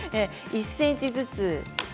１ｃｍずつ。